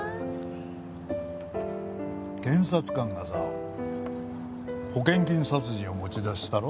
検察官がさ保険金殺人を持ち出したろ？